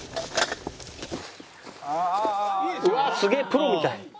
うわあすげえプロみたい！